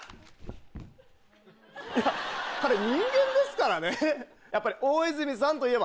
いや彼人間ですからね。